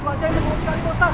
cuacanya terlalu sekali pak ustadz